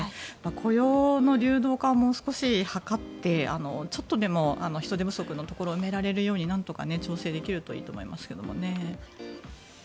雇用の流動化をもう少し図ってちょっとでも人手不足のところを埋められるようになんとか調整できるといいと思いますけどね。